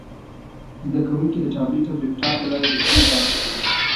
زده کوونکي د ټابلیټ او لپټاپ له لارې درسونه تعقیبوي.